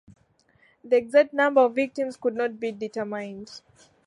The exact number of victims could not be determined.